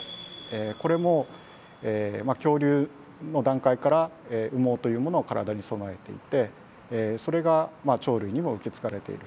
これも恐竜の段階から羽毛というものは体に備えていてそれが鳥類にも受け継がれている。